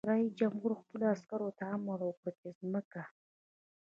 رئیس جمهور خپلو عسکرو ته امر وکړ؛ ځمکه!